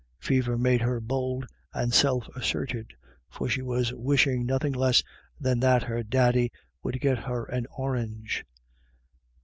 Fever made her bold and self assertive, for she was wishing nothing less than that her daddy would get her an orange.